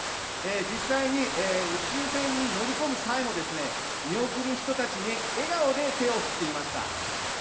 実際に宇宙船に乗り込む際もですね、見送る人たちに笑顔で手を振っていました。